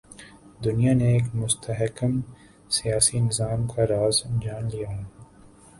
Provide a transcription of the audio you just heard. دنیا نے ایک مستحکم سیاسی نظام کا راز جان لیا ہے۔